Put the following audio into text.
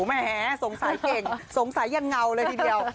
แหมสงสัยเก่งสงสัยยังเงาเลยทีเดียว